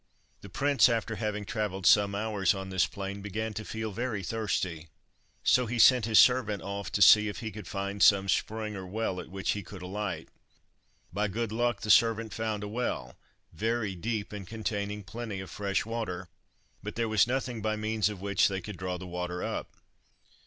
The prince, after having travelled some hours on this plain, began to feel very thirsty, so he sent his servant off to see if he could find some spring or well at which he could alight. By good luck the servant found a well, very deep, and containing plenty of fresh water, but there was nothing by means of which they could draw the water up.